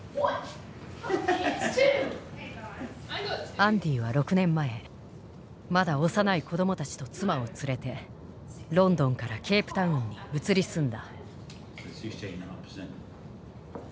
アンディは６年前まだ幼い子どもたちと妻を連れてロンドンからケープタウンに移り住んだ。